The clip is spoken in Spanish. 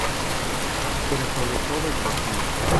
Pero sobre todo divertido.